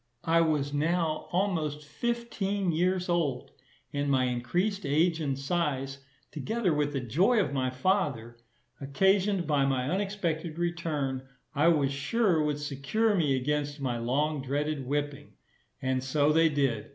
I was now almost fifteen years old; and my increased age and size, together with the joy of my father, occasioned by my unexpected return, I was sure would secure me against my long dreaded whipping; and so they did.